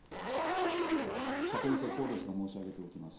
釈迦に説法ですが申し上げておきます。